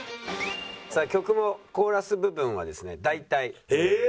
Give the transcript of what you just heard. さあ曲もコーラス部分はですね大体できました。